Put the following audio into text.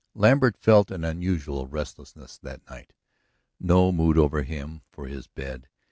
Lambert felt an unusual restlessness that night no mood over him for his bed.